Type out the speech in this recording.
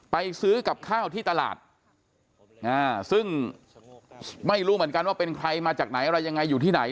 ไปซื้อกับข้าวที่ตลาดซึ่งไม่รู้เหมือนกันว่าเป็นใครมาจากไหนอะไรยังไงอยู่ที่ไหน